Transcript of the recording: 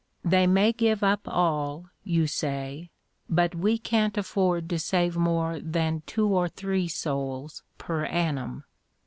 'They may give up all,' you say, 'but we can't afford to save more than two or three souls per annum.'